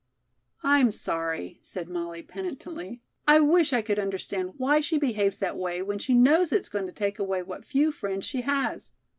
"I'm sorry," said Molly penitently. "I wish I could understand why she behaves that way when she knows it's going to take away what few friends she has."